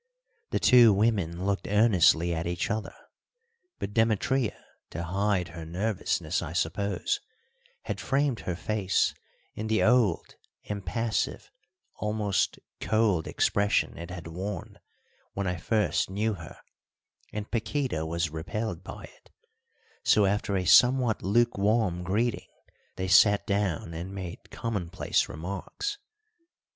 The two women looked earnestly at each other, but Demetria, to hide her nervousness, I suppose, had framed her face in the old, impassive, almost cold expression it had worn when I first knew her, and Paquíta was repelled by it; so after a somewhat lukewarm greeting they sat down and made commonplace remarks.